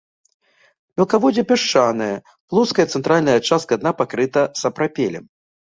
Мелкаводдзе пясчанае, плоская цэнтральная частка дна пакрыта сапрапелем.